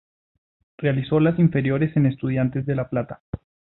Realizó las inferiores en Estudiantes de La Plata.